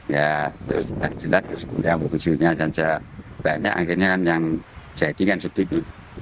ya jelas jelas banyak banyaknya yang jadi kan seperti itu